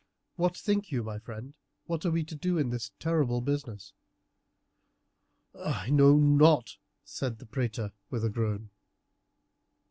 "What think you, my friend, what are we to do in this terrible business?" "I know not," the praetor said with a groan.